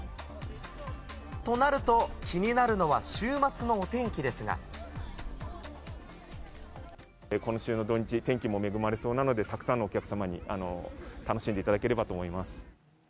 となると、今週の土日、天気も恵まれそうなので、たくさんのお客様に楽しんでいただければと思います。